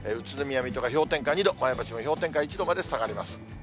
宇都宮、水戸が氷点下２度、まえばしはひょうてんか１度まで下がります。